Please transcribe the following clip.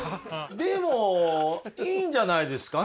でもいいんじゃないですかね。